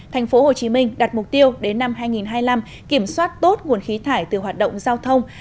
tp hcm đặt mục tiêu đến năm hai nghìn hai mươi năm kiểm soát tốt nguồn khí thải từ hoạt động giao thông